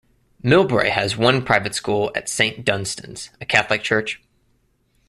Millbrae has one private school at Saint Dunstan's, a Catholic church.